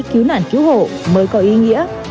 cứu nạn cứu hộ mới có ý nghĩa